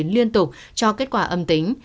liên tục cho kết quả âm tính